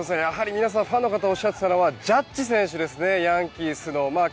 やはり皆さんファンの方おっしゃったのはジャッジ選手ですねヤンキースの。